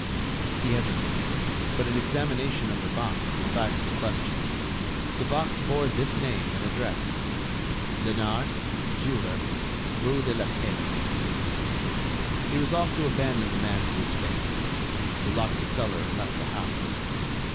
He hesitated; but an examination of the box decided the question. The box bore this name and address: "Leonard, jeweler, rue de la Paix." He resolved to abandon the man to his fate. He locked the cellar and left the house.